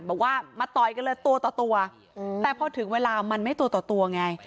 บอกว่ามาต่อยกันเลยตัวต่อตัวแต่พอถึงเวลามันไม่ตัวต่อตัวไง